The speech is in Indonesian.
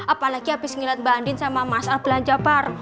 apalagi abis ngeliat banding sama mas al belanja bar